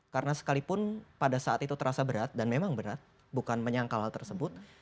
karena sekalipun pada saat itu terasa berat dan memang berat bukan menyangkal hal tersebut